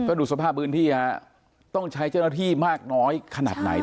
ดูสภาพพื้นที่ฮะต้องใช้เจ้าหน้าที่มากน้อยขนาดไหน